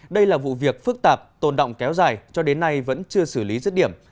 đây là vụ việc phức tạp tồn động kéo dài cho đến nay vẫn chưa xử lý rứt điểm